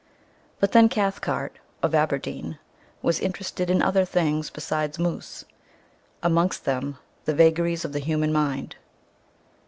But then Cathcart, of Aberdeen, was interested in other things besides moose amongst them the vagaries of the human mind.